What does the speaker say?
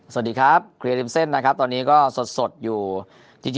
สวัสดีครับเคลียร์ริมเส้นนะครับตอนนี้ก็สดสดอยู่จริง